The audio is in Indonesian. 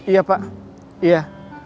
iya pak iya